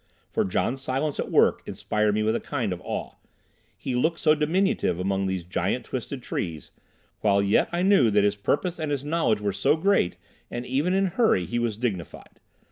For John Silence at work inspired me with a kind of awe. He looked so diminutive among these giant twisted trees, while yet I knew that his purpose and his knowledge were so great, and even in hurry he was dignified.